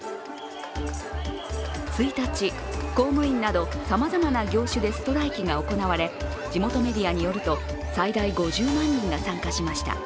１日、公務員などさまざまな業種でストライキが行われ、地元メディアによると最大５０万人が参加しました。